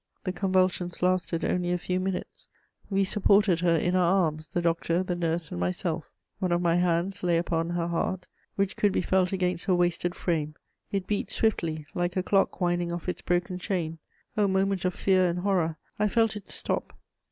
The convulsions lasted only a few minutes. We supported her in our arms, the doctor, the nurse, and myself: one of my hands lay upon her heart, which could be felt against her wasted frame; it beat swiftly, like a clock winding off its broken chain. Oh, moment of fear and horror, I felt it stop!